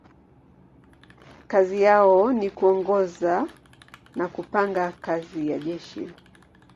Kazi yao ni kuongoza na kupanga kazi ya jeshi.